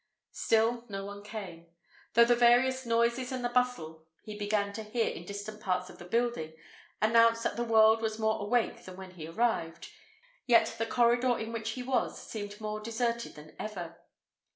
Still no one came. Though the various noises and the bustle he began to hear in distant parts of the building announced that the world was more awake than when he arrived, yet the corridor in which he was seemed more deserted than ever.